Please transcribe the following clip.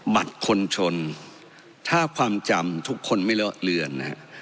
บัตรคนชนถ้าความจำทุกคนไม่เลอะเลือนนะฮะ